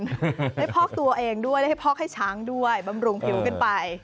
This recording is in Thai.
ได้พอกตัวเองด้วยได้ให้พอกให้ช้างด้วยบำรุงผิวกันไป